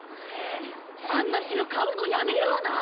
あんな城買うのやめような。